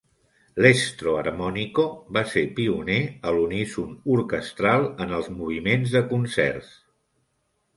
"L'estro armonico" va ser pioner a l"uníson orquestral en els moviments de concerts.